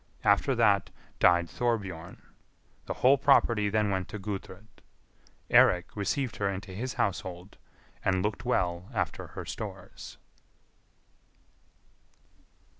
After that died Thorbjorn. The whole property then went to Gudrid. Eirik received her into his household, and looked well after her stores.